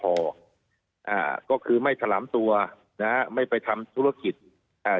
แล้วก็คือไม่ทระลำตัวนะนะไม่ไปทำธุรกิจอ่า